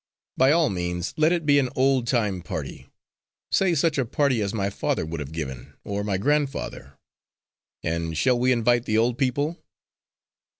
"By all means let it be an old time party say such a party as my father would have given, or my grandfather. And shall we invite the old people?"